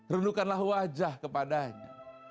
renduhkanlah wajah kepadanya